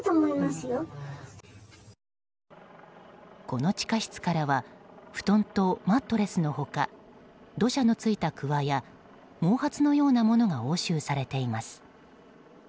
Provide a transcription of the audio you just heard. この地下室からは布団とマットレスの他土砂のついたくわや毛髪のようなものが押収されています。